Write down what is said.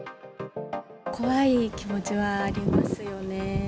怖い気持ちはありますよね。